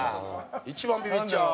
一番ビビっちゃう。